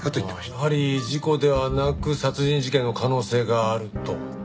やはり事故ではなく殺人事件の可能性があると。